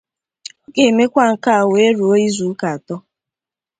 Ọ ga-emekwa nke a wee ruo izuụka atọ